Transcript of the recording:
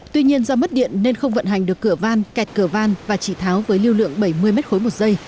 tuy nhiên do mất điện nên không vận hành được cửa van kẹt cửa van và chỉ tháo với lưu lượng bảy mươi m ba một giây